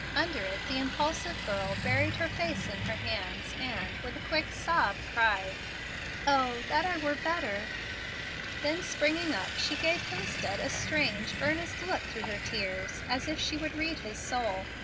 Under it the impulsive girl buried her face in her hands and, with a quick sob, cried, "O that I were better!" Then, springing up, she gave Hemstead a strange, earnest look through her tears, as if she would read his soul.